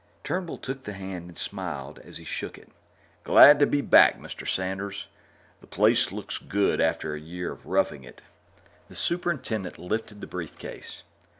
Turnbull took the hand and smiled as he shook it. "Glad to be back, Mr. Sanders; the place looks good after a year of roughing it." The superintendent lifted the brief case.